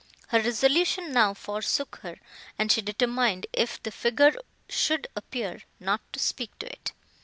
Her resolution now forsook her, and she determined, if the figure should appear, not to speak to it.